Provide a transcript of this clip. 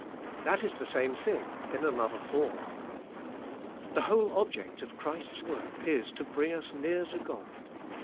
That is the same thing in an other form. The whole object of Christ's work is to bring us near to God.